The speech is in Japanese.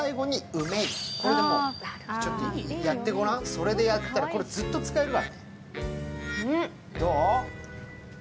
それでやったら、ずっと使えるわ。